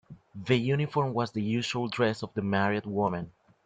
The uniform was the usual dress of the married woman.